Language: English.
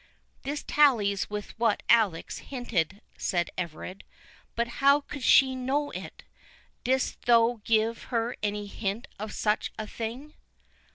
"This tallies with what Alice hinted," said Everard; "but how could she know it? didst thou give her any hint of such a thing?"